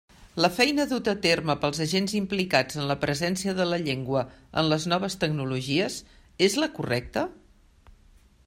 La feina duta a terme pels agents implicats en la presència de la llengua en les noves tecnologies és la correcta?